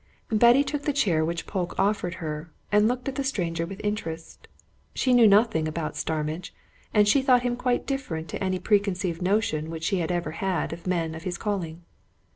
Betty took the chair which Polke offered her, and looked at the stranger with interest. She knew nothing about Starmidge, and she thought him quite different to any preconceived notion which she had ever had of men of his calling.